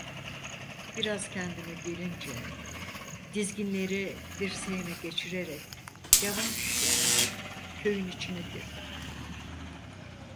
Biraz kendime gelince, dizginleri dirseğime geçirerek yavaş yavaş köyün içine girdim.